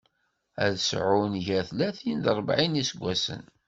Ad sɛun gar tlatin d rebεin n yiseggasen.